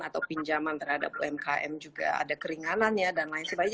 atau pinjaman terhadap umkm juga ada keringanannya dan lain sebagainya